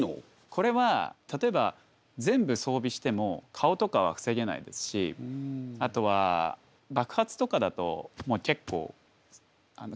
これは例えば全部装備しても顔とかは防げないですしあとは爆発とかだともう結構関係なくもう。